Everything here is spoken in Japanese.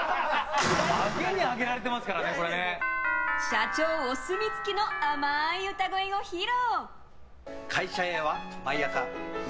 社長お墨付きの甘い歌声を披露。